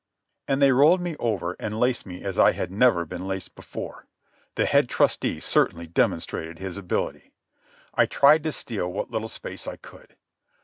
And they rolled me over and laced me as I had never been laced before. The head trusty certainly demonstrated his ability. I tried to steal what little space I could.